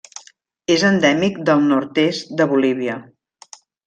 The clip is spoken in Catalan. És endèmic del nord-est de Bolívia.